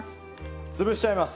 潰しちゃいます。